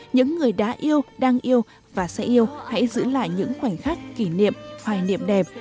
những người đã yêu đang yêu và sẽ yêu hãy giữ lại những khoảnh khắc kỷ niệm hoài niệm đẹp